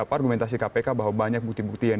argumentasi kpk bahwa banyak bukti bukti yang